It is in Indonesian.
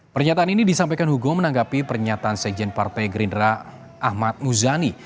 pernyataan ini disampaikan hugo menanggapi pernyataan sekjen partai gerindra ahmad muzani